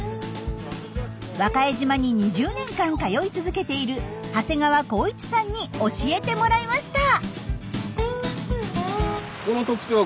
和賀江島に２０年間通い続けている長谷川孝一さんに教えてもらいました。